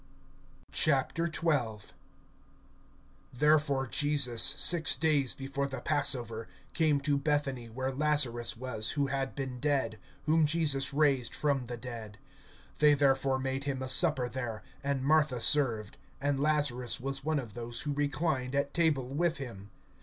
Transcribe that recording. XII. THEREFORE Jesus, six days before the passover, came to Bethany, where Lazarus was who had been dead, whom Jesus raised from the dead. (2)They therefore made him a supper there, and Martha served; and Lazarus was one of those who reclined at table with him.